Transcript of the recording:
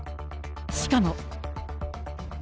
しかも。